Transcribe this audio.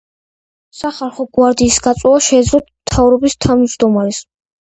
სახალხო გვარდიის გაწვევა შეეძლო მთავრობის თავმჯდომარეს.